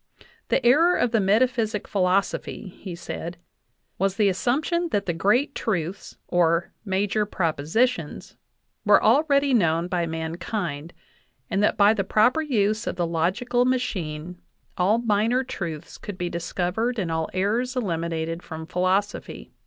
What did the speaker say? "The error of the metaphysic philosophy," he said, "was the assumption that the great truths (or "major propo sitions") were already known by mankind, and that by the proper use of the logical machine all minor truths could be discovered and all errors eliminated from philosophy."